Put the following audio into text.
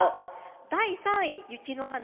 第３位、「雪の華」